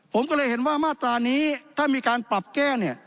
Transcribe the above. ผมก็เลยเห็นว่ามาตรานี้ถ้ามีการปรับแก้เนี่ย